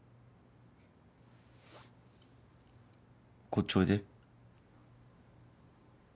こっちおいで。